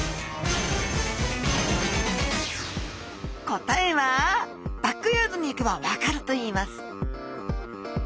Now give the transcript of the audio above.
答えはバックヤードに行けば分かるといいます